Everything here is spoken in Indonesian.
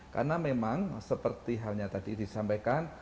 karena memang seperti halnya tadi disampaikan